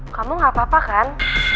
kamu gak apa apa kan